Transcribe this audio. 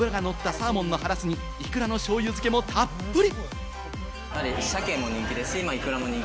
脂がのったサーモンのハラスにイクラのしょうゆ漬けもたっぷり！